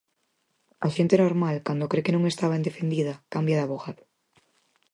A xente normal, cando cre que non está ben defendida, cambia de avogado.